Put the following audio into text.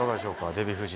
デヴィ夫人。